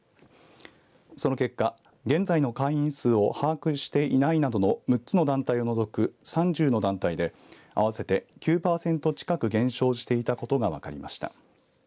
その結果、現在の会員数を把握していないなど６つの団体を除く３０の団体で合わせて９パーセント近く減少していたことが分かりました。